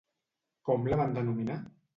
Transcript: Com la van denominar?